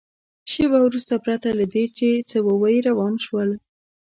شېبه وروسته پرته له دې چې څه ووایي روان شول.